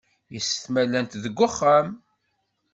Yessetma llant deg wexxam.